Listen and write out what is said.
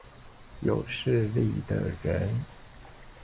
有勢力的人